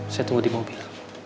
saya tunggu di mobil